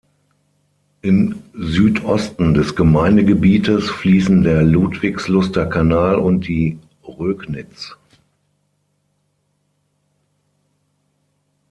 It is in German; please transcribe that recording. Im Südosten des Gemeindegebietes fließen der Ludwigsluster Kanal und die Rögnitz.